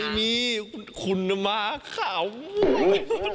ไม่มีคุณน้ำม้าขาวหมู